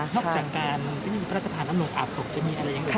นอกจากการที่พระราชธานักลงอาบศพจะมีอะไรอย่างไร